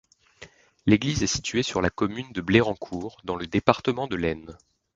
L'église est située sur la commune de Blérancourt, dans le département de l'Aisne.